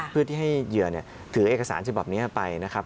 เพื่อที่ให้เหยื่อถือเอกสารฉบับนี้ไปนะครับ